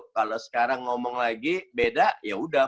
kalau sekarang ngomong lagi beda ya udah